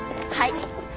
はい。